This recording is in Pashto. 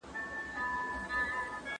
پاکوالي وساته!!